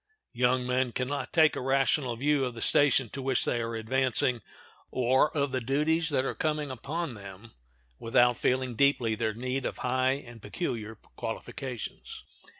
Young men can not take a rational view of the station to which they are advancing, or of the duties that are coming upon them, without feeling deeply their need of high and peculiar qualifications.